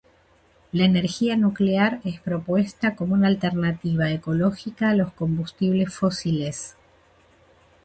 La energía nuclear es propuesta como una alternativa ecológica a los combustibles fósiles.